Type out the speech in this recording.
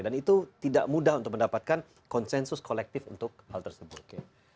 dan itu tidak mudah untuk mendapatkan konsensus kolektif untuk hal tersebut